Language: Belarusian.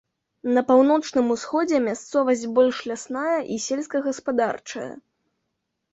На паўночным усходзе мясцовасць больш лясная і сельскагаспадарчая.